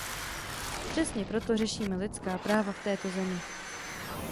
Přesně proto řešíme lidská práva v této zemi.